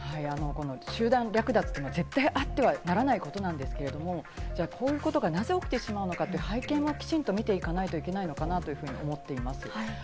集団略奪というのは、絶対あってはならないことなんですけれど、ではこういうことがなぜ起きてしまうのかという背景をきちんと見ていかなければいけないのかなと思っています。